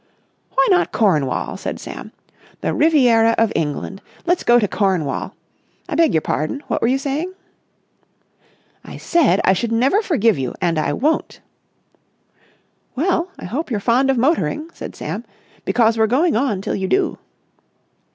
"Why not Cornwall?" said Sam. "The Riviera of England! Let's go to Cornwall. I beg your pardon. What were you saying?" "I said I should never forgive you and I won't." "Well, I hope you're fond of motoring," said Sam, "because we're going on till you do."